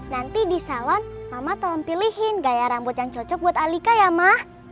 nanti di salon mama tolong pilihin gaya rambut yang cocok buat alika ya mak